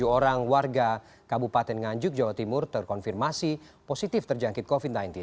tujuh orang warga kabupaten nganjuk jawa timur terkonfirmasi positif terjangkit covid sembilan belas